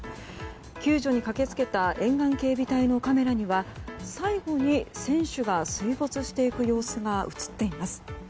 救助に駆け付けた沿岸警備隊のカメラには最後に船首が水没していく様子が映っています。